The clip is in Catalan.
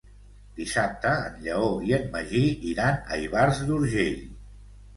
Dissabte en Lleó i en Magí iran a Ivars d'Urgell.